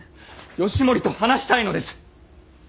義盛と話したいのです！